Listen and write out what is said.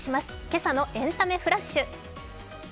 今朝のエンタメフラッシュ。